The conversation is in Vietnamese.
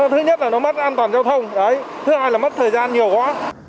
thứ nhất là nó mất an toàn giao thông đấy thứ hai là mất thời gian nhiều quá